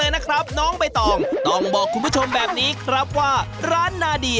เอากายสเต้ชุดหนึ่งนะคะพี่